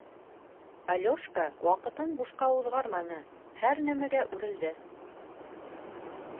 Алёшка ваҡытын бушҡа уҙғарманы, һәр нәмәгә үрелде.